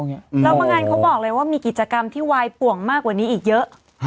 แล้วบางงานเขาบอกเลยว่ามีกิจกรรมที่วายป่วงมากกว่านี้อีกเยอะ